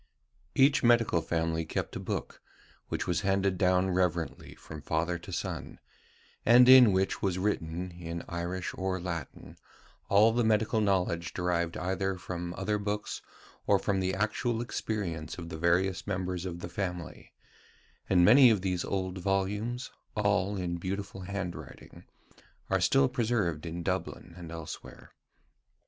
Each medical family kept a book, which was handed down reverently from father to son, and in which was written, in Irish or Latin, all the medical knowledge derived either from other books or from the actual experience of the various members of the family; and many of these old volumes, all in beautiful handwriting, are still preserved in Dublin and elsewhere.